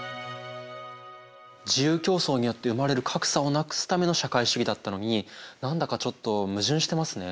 自由競争によって生まれる格差をなくすための社会主義だったのに何だかちょっと矛盾してますね。